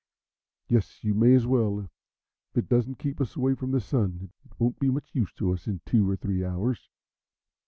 "Yes, you may as well. If it doesn't keep us away from the Sun it won't be much use to us in two or three hours."